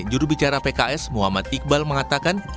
jurubicara pks muhammad iqbal mengatakan